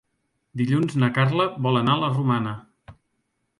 Dilluns na Carla vol anar a la Romana.